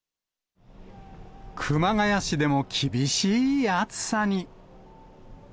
熊谷市でも厳しい暑さに。